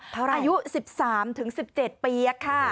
เพราะอะไรอายุ๑๓๑๗ปีครับค่ะ